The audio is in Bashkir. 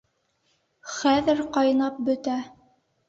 Хәҙер ҡайнап бөтә!